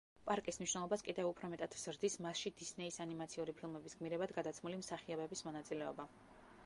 პარკის მნიშვნელობას კიდევ უფრო მეტად ზრდის მასში დისნეის ანიმაციური ფილმების გმირებად გადაცმული მსახიობების მონაწილეობა.